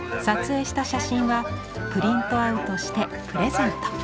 撮影した写真はプリントアウトしてプレゼント。